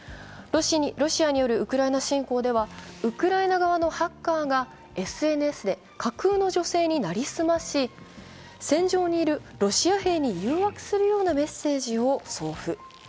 ロシアによるウクライナ侵攻では、ウクライナ側のハッカーがＳＮＳで架空の女性に成り済まし戦場にいるロシア兵に誘惑するようなメッセージを送付。